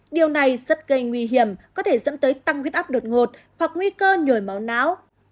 điều này rất gây nguy hiểm có thể dẫn tới tăng huyết áp đột ngột hoặc nguy cơ nhồi máu não